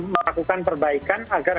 melakukan perbaikan agar